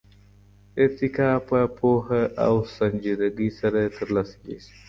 ارتقا په پوهه او سنجيدګۍ سره ترلاسه کېږي.